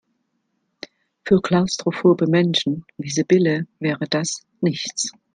Für klaustrophobe Menschen wie Sibylle wäre das nichts.